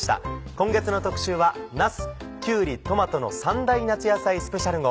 今月の特集はなすきゅうりトマトの３大夏野菜スペシャル号。